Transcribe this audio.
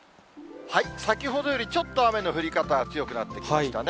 先ほどよりちょっと雨の降り方、強くなってきましたね。